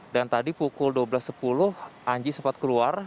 dan tadi pukul dua belas sepuluh anji sempat keluar